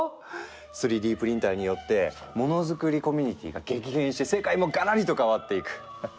３Ｄプリンターによってモノづくりコミュニティーが激変して世界もガラリと変わっていく。